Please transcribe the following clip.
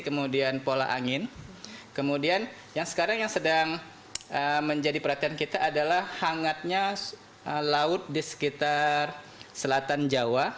kemudian pola angin kemudian yang sekarang yang sedang menjadi perhatian kita adalah hangatnya laut di sekitar selatan jawa